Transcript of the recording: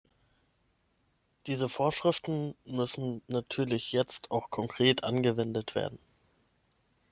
Diese Vorschriften müssen natürlich jetzt auch konkret angewendet werden.